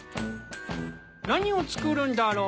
何を作るんだろう。